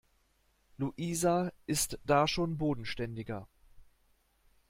Luisa ist da schon bodenständiger.